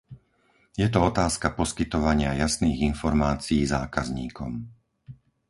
Je to otázka poskytovania jasných informácií zákazníkom.